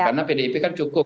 karena pdip kan cukup